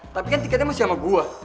tapi kan tiketnya masih sama buah